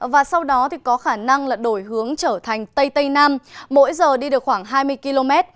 và sau đó có khả năng đổi hướng trở thành tây tây nam mỗi giờ đi được khoảng hai mươi km